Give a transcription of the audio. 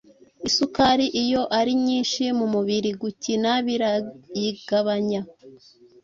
Isukari iyo ari nyinshi mu mubiri, gukina birayigabanya.